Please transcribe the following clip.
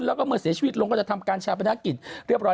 แล้วก็เมื่อเสียชีวิตลงก็จะทำการชาปนกิจเรียบร้อย